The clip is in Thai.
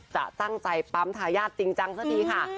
จะตั้งใจปั๊มทายาทจริงซะดีค่ะ